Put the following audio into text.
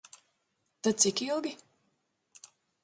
Tad cik ilgi?